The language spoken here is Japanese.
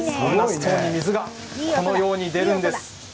水がこのように出るんです。